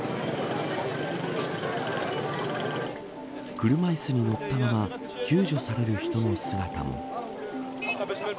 車いすに乗ったまま救助される人の姿も。